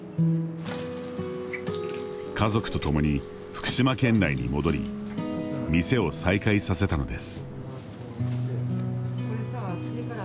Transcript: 家族と共に福島県内に戻り店を再開させたのです。